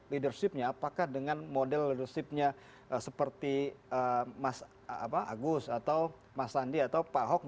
leadershipnya apakah dengan model leadershipnya seperti mas agus atau mas sandi atau pak ahok